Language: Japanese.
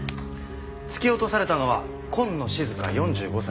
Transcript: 突き落とされたのは今野静香４５歳。